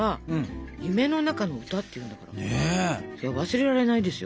忘れられないですよ